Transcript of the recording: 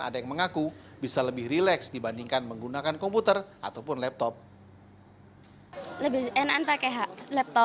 sehingga kemudian siswa menginstal aplikasi usbn bks